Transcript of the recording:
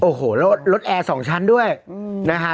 โอ้โหแล้วรถแอร์๒ชั้นด้วยนะฮะ